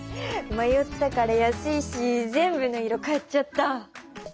まよったから安いし全部の色買っちゃった。